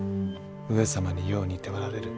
上様によう似ておられる。